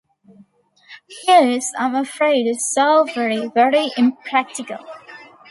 He is, I'm afraid, so very, very impractical.